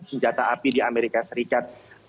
senjata api di amerika serikat